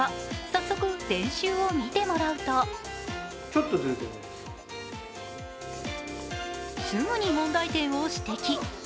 早速練習を見てもらうとすぐに問題点を指摘。